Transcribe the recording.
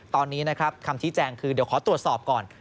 ตอนนี้นะครับคำชี้แจงคือเดี๋ยวขอตรวจสอบก่อน